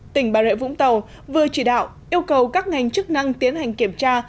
tỉnh bà rịa vũng tàu vừa chỉ đạo yêu cầu các ngành chức năng tiến hành kiểm tra